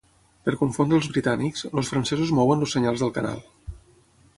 Per confondre els britànics, els francesos mouen els senyals del canal.